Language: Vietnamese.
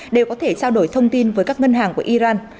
đều có thể trao đổi thông tin với các ngân hàng của iran